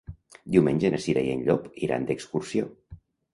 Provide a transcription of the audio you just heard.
Diumenge na Cira i en Llop iran d'excursió.